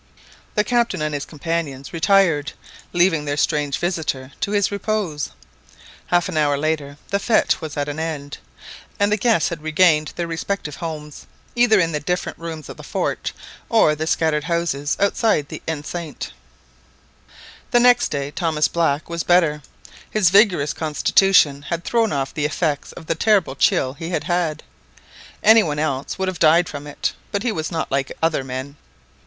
The Captain and his companions retired, leaving their strange visitor to his repose. Half an hour later the fête was at an end, and the guests had regained their respective homes, either in the different rooms of the fort, or the scattered houses outside the enceinte. The next day Thomas Black was rather better. His vigorous constitution had thrown off the effects of the terrible chill he had had. Any one else would have died from it; but he was not like other men.